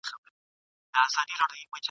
دا ټوټې وي تر زرګونو رسېدلي ..